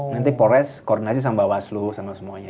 nanti polres koordinasi sama bawaslu sama semuanya